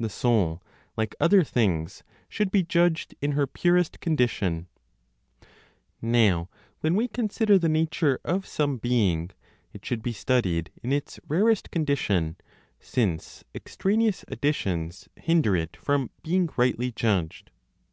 THE SOUL, LIKE OTHER THINGS, SHOULD BE JUDGED IN HER PUREST CONDITION. Now when we consider the nature of some being, it should be studied in its rarest condition, since extraneous additions hinder it from being rightly judged.